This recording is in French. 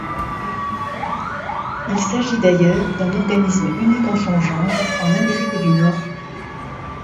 Il s'agit d'ailleurs d'un organisme unique en son genre en Amérique du Nord.